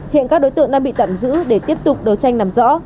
hiện các đối tượng đang bị tạm giữ để tiếp tục đấu tranh làm rõ